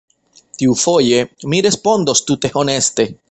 Tiufoje, mi respondos tute honeste!